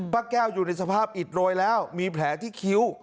ป้าแก้วอยู่ในสภาพอิดโรยแล้วมีแผลที่คิ้ว